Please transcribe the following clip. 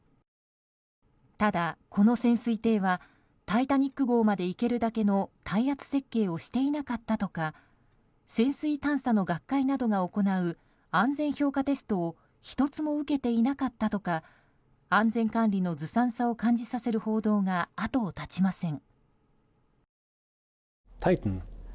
ただ、この潜水艇は「タイタニック号」まで行けるだけの耐圧設計をしていなかったとか潜水探査の学会などが行う安全評価テストを１つも受けていなかったとか安全管理のずさんさを感じさせる報道が後を絶ちません。